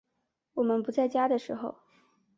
我们不在家的时候